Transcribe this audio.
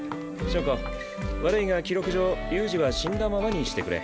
硝子悪いが記録上悠仁は死んだままにしてくれ。